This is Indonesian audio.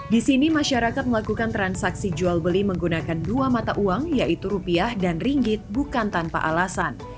di sini masyarakat melakukan transaksi jual beli menggunakan dua mata uang yaitu rupiah dan ringgit bukan tanpa alasan